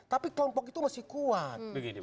tapi kelompok itu masih kuat